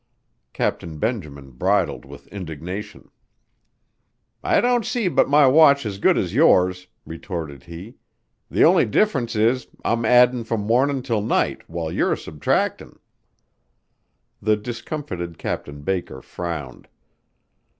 Captain Benjamin bridled with indignation. "I don't see but my watch is good as yours," retorted he. "The only difference is I'm addin' from mornin' 'til night while you're substractin'." The discomfited Captain Baker frowned.